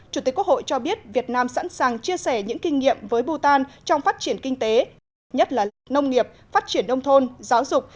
chủ tịch quốc hội cho biết việt nam sẵn sàng chia sẻ những kinh nghiệm với bhutan trong phát triển kinh tế nhất là nông nghiệp phát triển đông thôn giáo dục